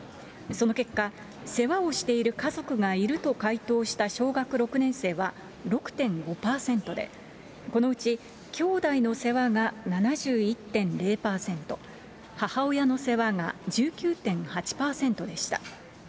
その結果、世話をしている家族がいると回答した小学６年生は６．５％で、このうち、きょうだいの世話が７１．０％、母親の世話が１９．８％でした。